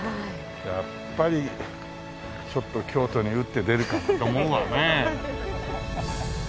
やっぱりちょっと京都に打って出るかなんて思うわね。